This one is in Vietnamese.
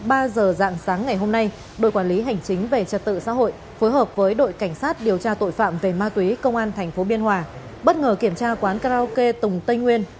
khoảng ba giờ dạng sáng ngày hôm nay đội quản lý hành chính về trật tự xã hội phối hợp với đội cảnh sát điều tra tội phạm về ma túy công an tp biên hòa bất ngờ kiểm tra quán karaoke tùng tây nguyên